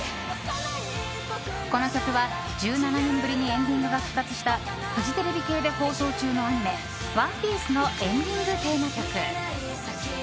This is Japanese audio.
この曲は、１７年ぶりにエンディングが復活したフジテレビ系で放送中のアニメ「ＯＮＥＰＩＥＣＥ」のエンディングテーマ曲。